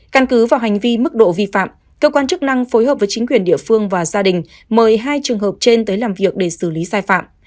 căn cứ vào hành vi mức độ vi phạm cơ quan chức năng phối hợp với chính quyền địa phương và gia đình mời hai trường hợp trên tới làm việc để xử lý sai phạm